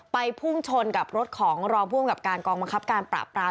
ไปพุ่งชนกับรถของรองพุ่มกับการกองมะครับการปราบปราม